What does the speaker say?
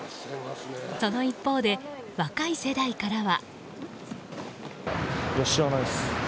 その一方で若い世代からは。